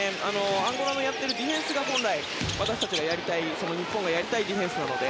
アンゴラのやっているディフェンスが、本来日本がやりたいディフェンスなので。